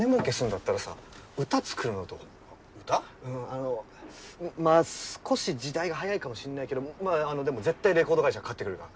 あのまあ少し時代が早いかもしんないけどまあでも絶対レコード会社買ってくれるから。